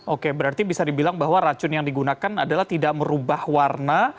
oke berarti bisa dibilang bahwa racun yang digunakan adalah tidak merubah warna